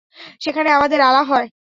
সেখানে আমাদের আলাপ হয়।